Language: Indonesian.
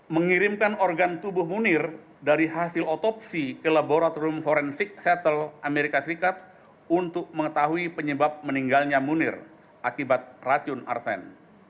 mengirimkan organ tubuh munir dari hasil otopsi ke laboratorium forensik settle amerika serikat untuk mengetahui penyebab meninggalnya munir akibat racun arsen